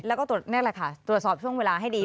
แล้วก็นี่แหละค่ะตรวจสอบช่วงเวลาให้ดี